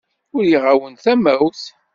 Uriɣ-awen-d tamawt.